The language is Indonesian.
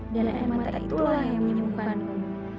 dan air mata itulah yang menyembunyikan aku